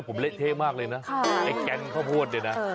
ผมเละเทะมากเลยนะไอ้แก๊งข้าวโพดเนี่ยนะ